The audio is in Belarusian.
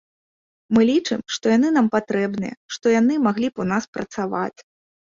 Мы лічым, што яны нам патрэбныя, што яны маглі б у нас працаваць.